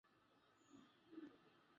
Mwalimu mzuri.